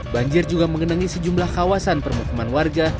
banjir juga mengenangi sejumlah kawasan permukiman warga